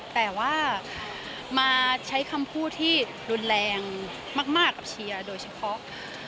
แต่ว่ามาใช้คำพูดที่รุนแรงมากกับเชียร์โดยเฉพาะ